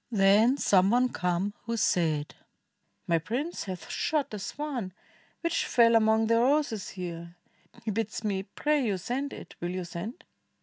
Then some one came who said, "My prince hath shot A swan, which fell among the roses here, He bids me pray you send it. Will you send?"